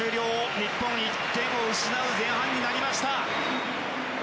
日本、１点を失う前半になりました。